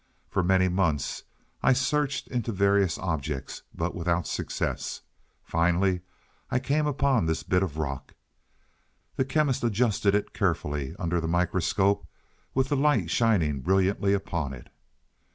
For many months I searched into various objects, but without success. Finally I came upon this bit of rock." The Chemist adjusted it carefully under the microscope with the light shining brilliantly upon it.